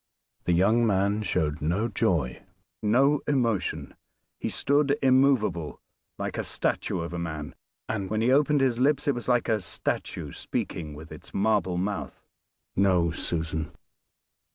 The young man showed no joy, no emotion. He stood immovable, like a statue of a man, and when he opened his lips it was like a statue speaking with its marble mouth. "No! Susan.